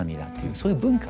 そういう文化